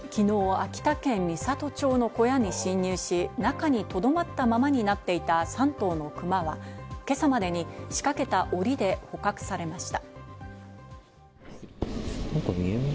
秋田県美郷町の小屋に侵入し、中にとどまったままになっていた３頭のクマは、今朝までに仕掛けたおりで捕獲されました。